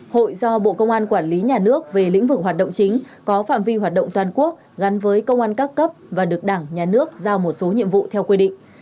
hội do bộ công an quản lý nhà nước về lĩnh vực hoạt động chính có phạm vi hoạt động toàn quốc gắn với công an các cấp và được đảng nhà nước giao một số nhiệm vụ theo quy định